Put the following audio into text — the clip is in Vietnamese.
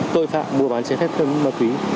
tội phạm mua bán chế phép thêm ma túy